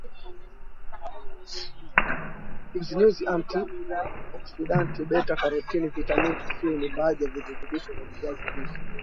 nyuzinyuzi anti oksidanti beta karotini vitamini c ni baadhi ya virutubisho vya kiazi lishe